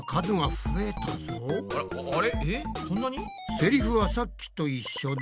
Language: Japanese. セリフはさっきと一緒だ。